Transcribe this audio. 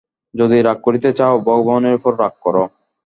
যদি রাগ করিতে চাও, ভগবানের উপর রাগ কর।